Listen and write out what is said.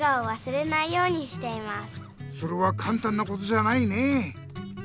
それはかんたんなことじゃないねぇ。